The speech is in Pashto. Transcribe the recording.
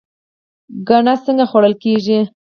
ګنی څنګه خوړل کیږي؟